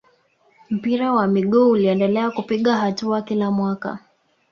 mpira wa miguu uliendelea kupiga hatua kila mwaka